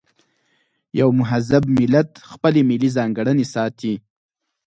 یو مهذب ملت خپلې ملي ځانګړنې ساتي.